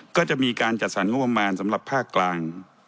ก็จะมีการจัดสรรงบประมาณสำหรับภาคกลาง